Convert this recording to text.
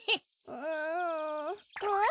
うん。